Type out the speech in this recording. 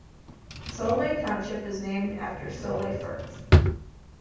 Solway Township was named after Solway Firth.